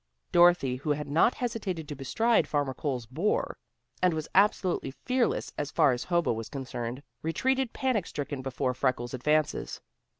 Dorothy who had not hesitated to bestride Farmer Cole's boar, and was absolutely fearless as far as Hobo was concerned, retreated panic stricken before Freckles' advances.